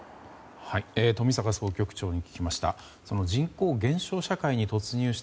冨坂総局長に聞きました。